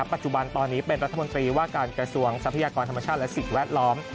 ปัจจุบันตอนนี้เป็นรัฐมนตรีว่าการกระทรวงทรัพยากรธรรมชาติและสิ่งแวดล้อม